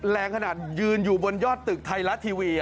แรงขนาดยืนอยู่บนยอดตึกไทยรัฐทีวี